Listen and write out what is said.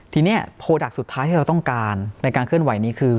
ทีนี้โปรดักต์สุดท้ายที่เราต้องการในการเคลื่อนไหวนี้คือ